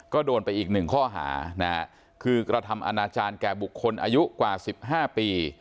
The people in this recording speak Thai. ก็โดนไปอีกหนึ่งข้อหานะฮะคือกระทำอนาจารย์แก่บุคคลอายุกว่า๑๕ปี